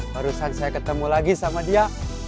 barusan saya ketemu lagi sama dia